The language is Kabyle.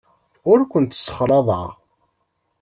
Ur kent-ssexlaḍeɣ.